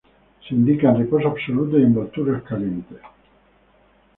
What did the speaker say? Se indican reposo absoluto y envolturas calientes.